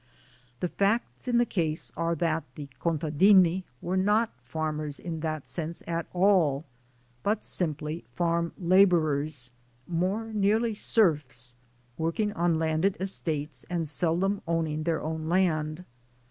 The facts in the case are that the "contadini" were not farmers in that sense at all, but simply farm laborers, more nearly serfs, working on landed estates and seldom owning their own land.